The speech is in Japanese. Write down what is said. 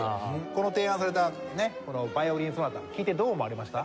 この提案されたね『ヴァイオリン・ソナタ』聴いてどう思われました？